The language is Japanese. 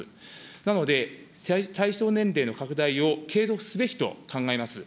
なので、対象年齢の拡大を継続すべきと考えます。